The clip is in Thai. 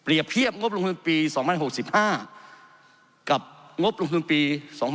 เทียบงบลงทุนปี๒๐๖๕กับงบลงทุนปี๒๕๖๒